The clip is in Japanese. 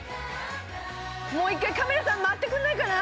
「もう１回カメラさん回ってくれないかな」